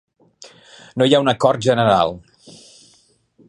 No hi ha un acord general.